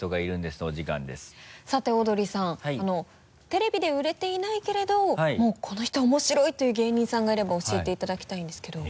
テレビで売れていないけれどもうこの人面白い！という芸人さんがいれば教えていただきたいんですけど。